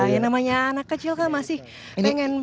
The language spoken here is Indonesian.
yang namanya anak kecil kan masih pengen